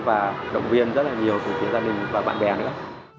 và động viên rất là nhiều của gia đình và bạn bè nữa